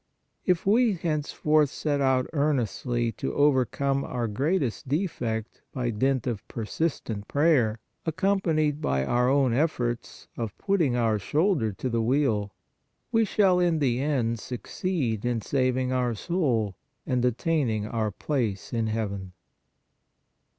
If we henceforth set out earnestly to overcome our greatest defect by dint of persistent prayer, accompanied by our own efforts of " putting our own shoulder to the wheel," we shall in the end succeed in saving our soul and attaining " our place in heaven."